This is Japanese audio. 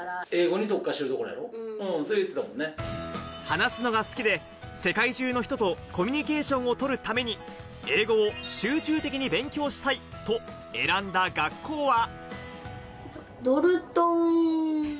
話すのが好きで、世界中の人とコミュニケーションをとるために英語を集中的に勉強したいと選んだ学校は。